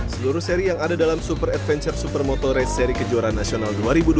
seluruh seri yang ada dalam super adventure supermoto race seri kejuaraan nasional dua ribu dua puluh